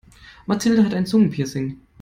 Mathilde hat ein Zungenpiercing.